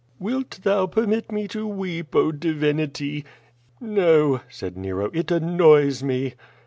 "Wilt thou permit me to weep, oh, divinity?" "No," said Nero; "it annoys me."